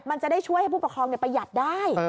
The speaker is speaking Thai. มันจะได้ช่วยให้ผู้ปกครองประหยัดได้